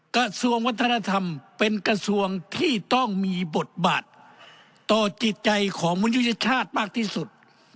กระทรวงวัฒนธรรมเป็นกระทรวงที่ต้องมีบทบาทต่อจิตใจของมนุยชาติมากที่สุด